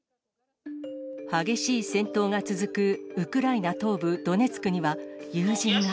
激しい戦闘が続くウクライナ東部ドネツクには、友人が。